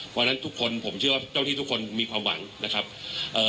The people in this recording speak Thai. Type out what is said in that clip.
เพราะฉะนั้นทุกคนผมเชื่อว่าเจ้าที่ทุกคนมีความหวังนะครับเอ่อ